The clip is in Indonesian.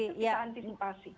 karena itu bisa antisipasi